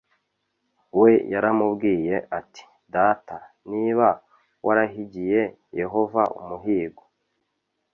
we yaramubwiye ati data niba warahigiye yehova umuhigo